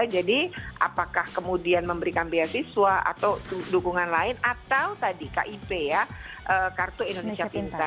jadi apakah kemudian memberikan beasiswa atau dukungan lain atau tadi kip ya kartu indonesia pintar